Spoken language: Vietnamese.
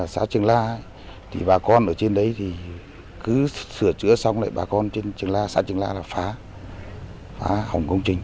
xã trường la thì bà con ở trên đấy thì cứ sửa chữa xong lại bà con trên trường la xã trường la là phá hỏng công trình